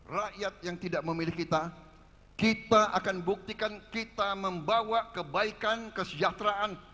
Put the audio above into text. rakyat yang tidak memilih kita kita akan buktikan kita membawa kebaikan kesejahteraan